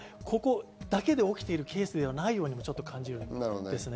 ここだけで起きているケースではないように感じるんですね。